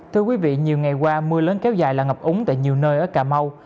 thưa quý vị nhiều ngày qua mưa lớn kéo dài là ngập úng tại nhiều nơi ở cà mau